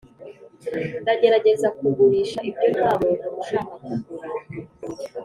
ndagerageza kugurisha ibyo ntamuntu ushaka kugura;